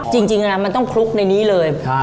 จริงจริงอ่ะมันต้องคลุกในนี้เลยใช่